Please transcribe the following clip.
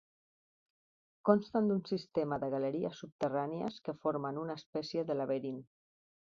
Consten d'un sistema de galeries subterrànies que formen una espècie de laberint.